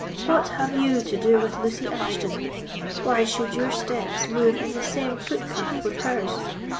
What have you to do with Lucy Ashton? why should your steps move in the same footpath with hers?